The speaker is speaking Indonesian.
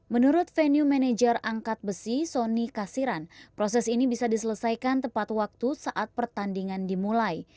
menurut venue manager angkat besi sonny kasiran proses ini bisa diselesaikan tepat waktu saat pertandingan dimulai